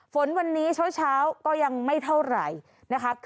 ฝนวันนี้เช้าก็ยังไม่เท่าไหร่นะคะ